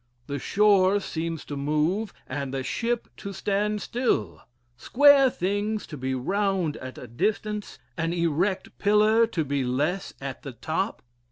The shore seems to move, and the ship to stand still; square things to be round at a distance; an erect pillar to be less at the top.